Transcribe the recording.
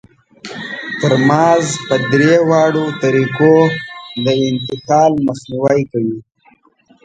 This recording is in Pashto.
ترموز په درې واړو طریقو د انتقال مخنیوی کوي.